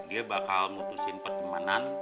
dia bakal mutusin pertemanan